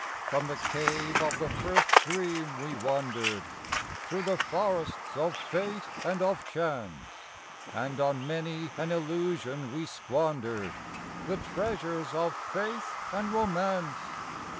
II From the cave of the first Dream we wandered Through the forests of Fate and of Chance; And on many an illusion we squandered The treasures of Faith and Romance.